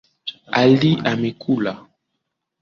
Ali amekula.